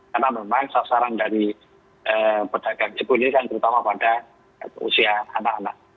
karena memang sasaran dari pedagang cekul ini kan terutama pada usia anak anak